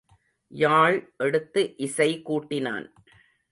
யாழ் எடுத்து இசை கூட்டினான்.